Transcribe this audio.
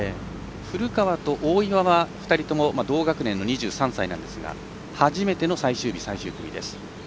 古川と大岩は同学年の２３歳なんですが初めての最終日、最終組です。